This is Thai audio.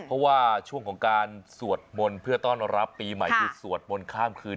เพราะว่าช่วงของการสวดมนต์เพื่อต้อนรับปีใหม่คือสวดมนต์ข้ามคืน